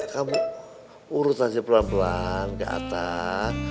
kamu urut aja pelan pelan ke atas